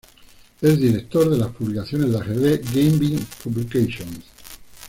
Es director de las publicaciones de ajedrez "Gambit Publications".